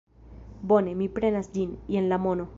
Bone, mi prenas ĝin; jen la mono.